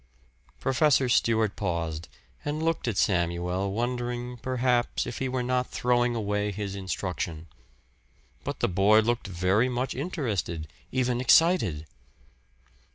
Professor Stewart paused and looked at Samuel wondering, perhaps, if he were not throwing away his instruction. But the boy looked very much interested, even excited.